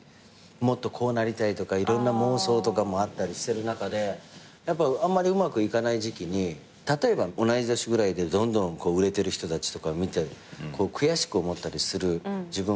もっとこうなりたいとかいろんな妄想とかもあったりしてる中であんまりうまくいかない時期に例えば同い年ぐらいでどんどん売れてる人たちとかを見て悔しく思ったりする自分がいて。